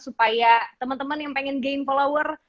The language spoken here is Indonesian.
supaya temen temen yang pengen gain follower